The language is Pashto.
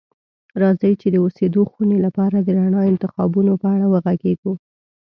راځئ چې د اوسیدو خونې لپاره د رڼا انتخابونو په اړه وغږیږو.